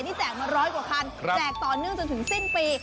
แจกมาร้อยกว่าคันแจกต่อเนื่องจนถึงสิ้นปี